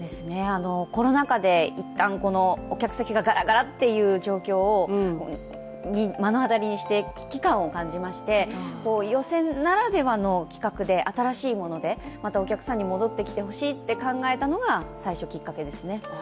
コロナ禍で一旦、お客席がガラガラっていう状態を目の当たりにして危機感を感じまして、寄席ならではの企画で、新しいもので、またお客さんに戻ってきてほしいと考えたのが最初、きっかけですね。